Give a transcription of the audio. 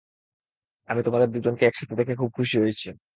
আমি তোমাদের দুজনকে একসাথে দেখে খুব খুশি হয়েছি।